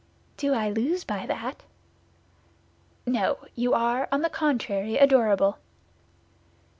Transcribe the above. "Do I lose by that?" "No; you are, on the contrary, adorable."